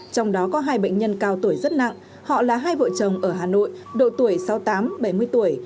trong đó có hai bệnh nhân cao tuổi rất nặng họ là hai vợ chồng ở hà nội độ tuổi sáu mươi tám bảy mươi tuổi